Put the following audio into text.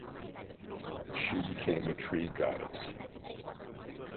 She became a tree goddess.